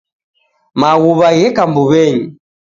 Maghuw'a gheka mbuw'enyi.